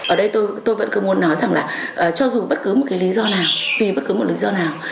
ở đây tôi vẫn cứ muốn nói rằng là cho dù bất cứ một cái lý do nào tùy bất cứ một lý do nào